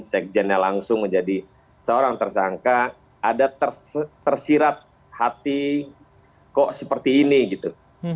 sekjennya langsung menjadi seorang tersangka ada tersirat hati kok seperti ini gitu